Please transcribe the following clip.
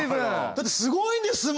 だってすごいんですもん！